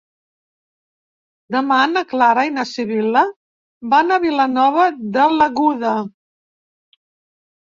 Demà na Clara i na Sibil·la van a Vilanova de l'Aguda.